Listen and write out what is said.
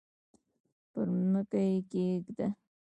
پر مځکه یې کښېږده!